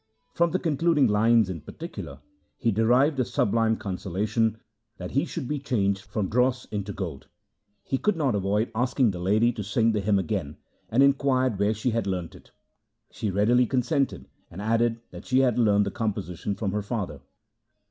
From the concluding lines in particular he derived the sublime consolation that he should be changed from dross into gold. He could not avoid asking the lady to sing the hymn again, and inquired where she had learnt it. She readily consented, and added that she had learned the composition from her father.